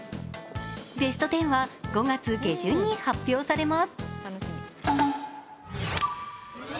ベスト１０は５月下旬に発表されます